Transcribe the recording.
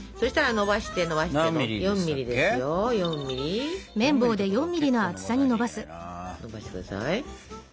のばしてください。